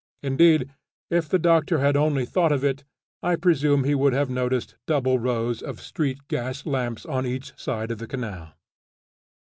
Indeed, if the doctor had only thought of it, I presume he would have noticed double rows of street gas lamps on each side of the canal!